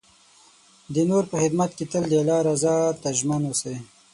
د نور په خدمت کې تل د الله رضا ته ژمن اوسئ.